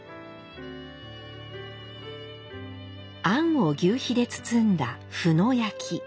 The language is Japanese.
餡を求肥で包んだ「ふのやき」。